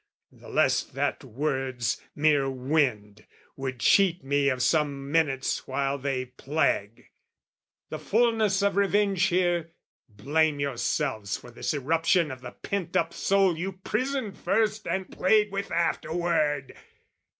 the less that words, mere wind, Would cheat me of some minutes while they plague. The fulness of revenge here, blame yourselves For this eruption of the pent up soul You prisoned first and played with afterward!